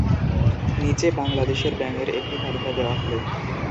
নিচে বাংলাদেশের ব্যাঙের একটি তালিকা দেয়া হলো।